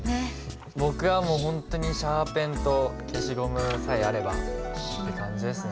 僕はもう本当にシャーペンと消しゴムさえあればって感じですね。